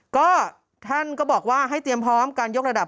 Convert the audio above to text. ก็ท่านก็บอกว่าให้เตรียมพร้อมการยกระดับ